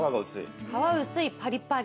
皮薄いパリパリ。